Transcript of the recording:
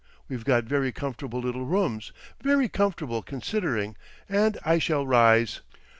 _ We've got very comfortable little rooms, very comfortable considering, and I shall rise.